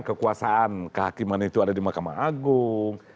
kekuasaan kehakiman itu ada di mahkamah agung